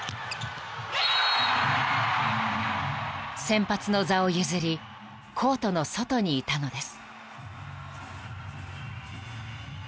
［先発の座を譲りコートの外にいたのです］